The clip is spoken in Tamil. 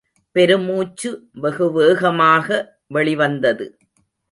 பெருமூச்சு வெகுவேகமாக வெளிவந்தது.